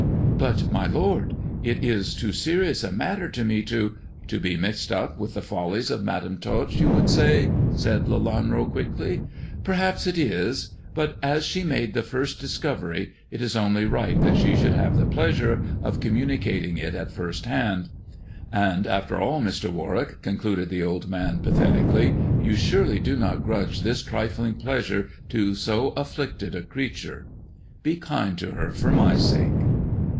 " But, my lord, it is too serious a matter to me to '*" To be mixed up with the follies of Madam Tot, you would say," said Lelanro quickly. " Perhaps it is ; but as she made the first discovery it is only right that she should have the pleasure of communicating it at first hand. And after all, Mr. Warwick," concluded the old man pathetic ally, " you surely do not grudge this trifling pleasure to so afllicted a creature. Be kind to her for my sake."